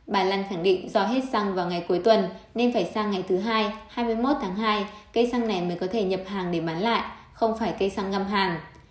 bà lan khẳng định do hết xăng vào ngày cuối tuần nên phải sang ngày thứ hai hai mươi một tháng hai cây xăng này mới có thể nhập hàng để bán lại không phải cây xăng ngâm hàng